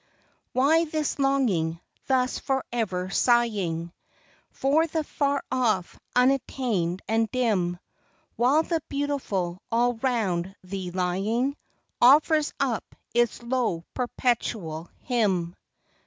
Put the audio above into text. Why thus longing, thus forever sighing For the far off, unattained, and dim, While the beautiful all round thee lying, Offers up its low perpetual hymn